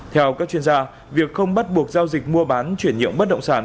theo các chuyên gia việc không bắt buộc giao dịch mua bán chuyển nhượng bất động sản